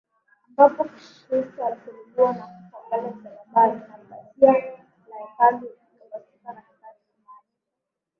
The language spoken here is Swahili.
ambapo Kristo alisulubishwa na kufa pale msalabani na pazia la hekalu likapasuka katikati kumaanisha